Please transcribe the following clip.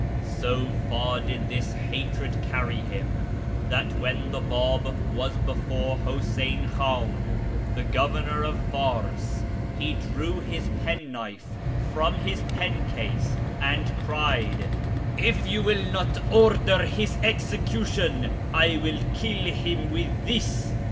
So far did this hatred carry him, that when the B;ib was before Huseyn Khan, the Governor of Fars, he drew his penknife from his pen case, and cried, ' If yon will not order his execution, I will kill him with this.'